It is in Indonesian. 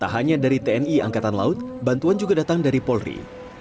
tak hanya dari tni angkatan laut bantuan juga datang dari polri